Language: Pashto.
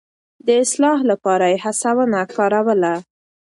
د اصلاح لپاره يې هڅونه کاروله.